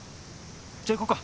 じゃあ行こうか。